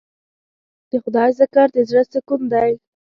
د خدای ذکر د زړه سکون دی.